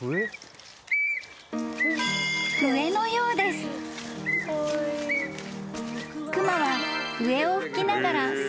［笛のようです］［熊は］